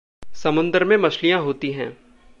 समुंदर में मछलियां होती हैं।